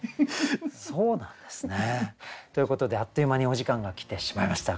そうなんですね。ということであっという間にお時間が来てしまいました。